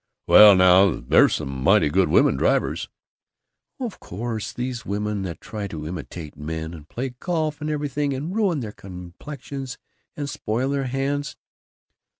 "Well, now, there's some mighty good woman drivers." "Oh, of course, these women that try to imitate men, and play golf and everything, and ruin their complexions and spoil their hands!"